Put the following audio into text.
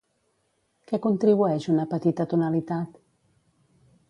Què contribueix una petita tonalitat?